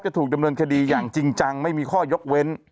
ถูกดำเนินคดีอย่างจริงจังไม่มีข้อยกเว้น